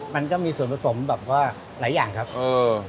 มันก็มีส่วนผสมแบบว่าหลายอย่างครับเออ